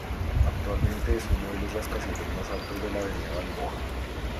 Actualmente es uno de los rascacielos más altos de la Avenida Balboa.